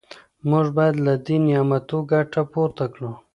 موږ باید له دې نعمتونو ګټه پورته کړو.